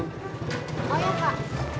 oh ya kak